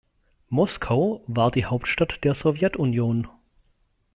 Moskau war die Hauptstadt der Sowjetunion.